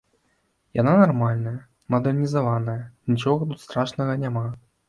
Яна нармальная, мадэрнізаваная, нічога тут страшнага няма.